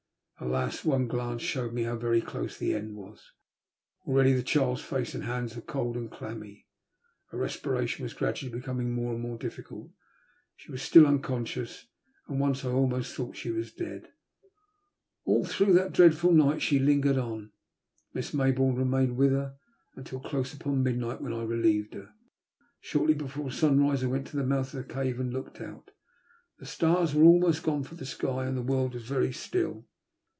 Alas ! one glance showed me how very close the end was. Already the child's face and hands were cold and clammy, her respiration was gradually becoming more and more difficult. She was still unconscious, and once I almost thought she was dead. All through that dreadful night she lingered on. Miss Mayboume remained with her until close upon midnight, when I reheved her. Shortly before sun rise I went to the mouth of the cave and looked out. The stars were almost gone from the sky, and the world was very still.